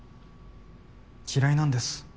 嫌いなんです